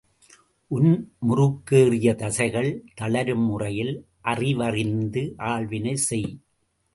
உன் முறுக்கேறிய தசைகள் தளரும் முறையில் அறிவறிந்த ஆள்வினை செய்!